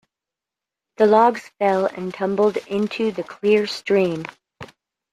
The logs fell and tumbled into the clear stream.